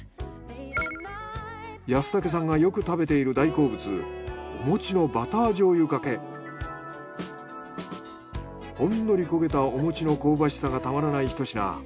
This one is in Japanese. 安武さんがよく食べている大好物ほんのり焦げたお餅の香ばしさがたまらないひと品。